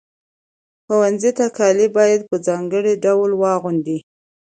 ښوونځي ته کالي باید په ځانګړي ډول واغوندئ.